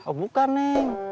oh bukan neng